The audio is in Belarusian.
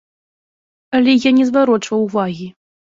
Але я не зварочваў ўвагі.